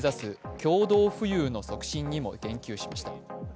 共同富裕の促進にも言及しました。